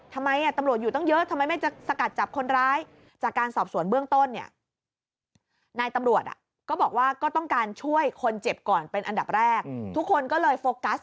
ทำไมตำรวจอยู่ต้องเยอะทำไมไม่จะสกัดจับคนร้าย